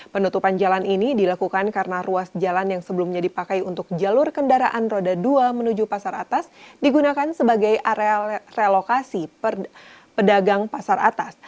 penutupan jalan ini dilakukan karena ruas jalan yang sebelumnya dipakai untuk jalur kendaraan roda dua menuju pasar atas digunakan sebagai area relokasi pedagang pasar atas